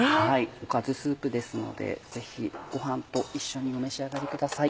おかずスープですのでぜひご飯と一緒にお召し上がりください。